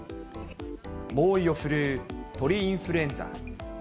猛威を振るう鳥インフルエンザ。